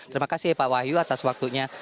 terima kasih pak wahyu atas waktunya